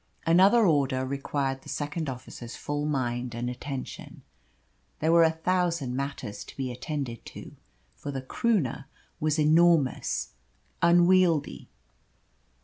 Another order required the second officer's full mind and attention. There were a thousand matters to be attended to, for the Croonah was enormous, unwieldy.